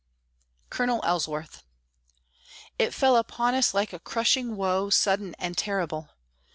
COLONEL ELLSWORTH It fell upon us like a crushing woe, Sudden and terrible.